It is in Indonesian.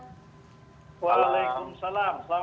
waalaikumsalam selamat malam